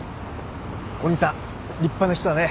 お兄さん立派な人だね